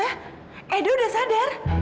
tante edu udah sadar